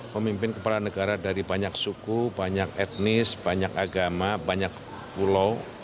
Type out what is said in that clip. pemimpin kepala negara dari banyak suku banyak etnis banyak agama banyak pulau